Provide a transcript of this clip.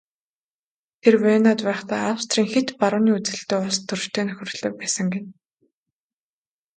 Тэр Венад байхдаа Австрийн хэт барууны үзэлтэй улстөрчтэй нөхөрлөдөг байсан гэнэ.